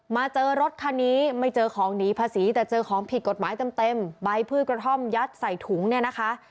มาเจอรถคันนี้ไม่เจอของหนีภาษีแต่เจอของผิดกฎหมายเต็มใบพืชกระท่อมยัดใส่ถุงเนี่ยนะคะ